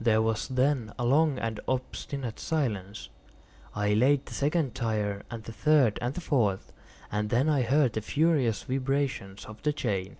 There was then a long and obstinate silence. I laid the second tier, and the third, and the fourth; and then I heard the furious vibrations of the chain.